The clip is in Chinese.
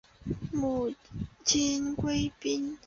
母殷贵嫔。